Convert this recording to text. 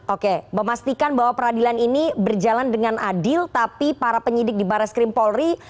oke memastikan bahwa peradilan ini berjalan dengan adil tapi para penyidik di baris krim polri